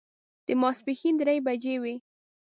د ماسپښین درې بجې وې.